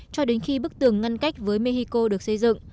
cho đến khi bức tường ngăn cách với mexico được xây dựng